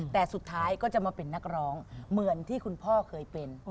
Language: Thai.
แต่สุดท้ายก็จะมาเป็นนักร้องเหมือนที่คุณพ่อเคยเป็น